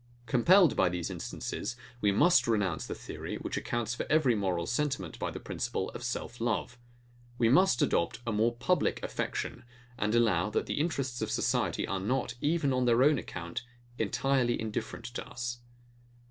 Compelled by these instances, we must renounce the theory, which accounts for every moral sentiment by the principle of self love. We must adopt a more public affection, and allow, that the interests of society are not, even on their own account, entirely indifferent to us.